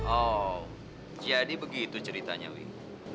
oh jadi begitu ceritanya win